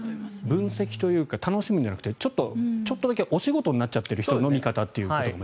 分析というか楽しむじゃなくてちょっとだけお仕事になってる人の見方というか。